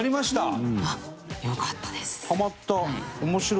あっよかったです。